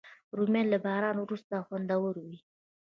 رومیان له باران وروسته خوندور وي